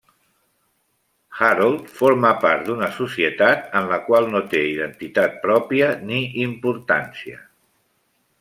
Harold forma part d'una societat en la qual no té identitat pròpia ni importància.